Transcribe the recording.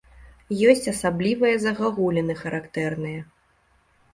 Ёсць асаблівыя загагуліны, характэрныя.